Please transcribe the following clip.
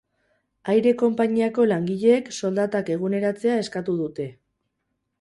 Aire konpainiako langileek soldatak eguneratzea eskatu dute.